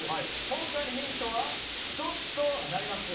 今回のヒントは１つとなります。